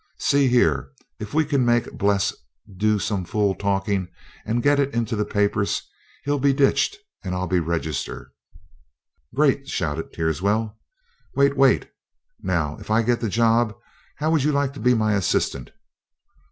See here: if we can make Bles do some fool talking and get it into the papers, he'll be ditched, and I'll be Register." "Great!" shouted Teerswell. "Wait wait. Now, if I get the job, how would you like to be my assistant?"